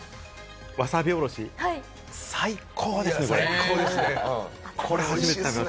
わさびおろし、最高ですね！